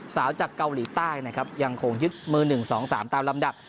สาวจากเกาหลีใต้นะครับยังคงยึดมือหนึ่งสองสามตามลำดับ